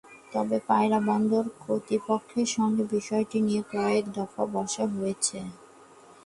তবে পায়রা বন্দর কর্তৃপক্ষের সঙ্গে বিষয়টি নিয়ে কয়েক দফা বসা হয়েছে।